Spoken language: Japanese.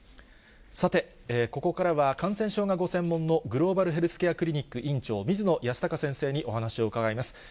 さて、ここからは感染症がご専門のグローバルヘルスケアクリニック院長、水野泰孝先生にお話を伺います。